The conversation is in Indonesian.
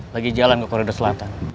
lagi jalan ke koridor selatan